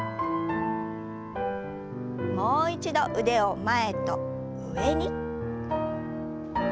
もう一度腕を前と上に。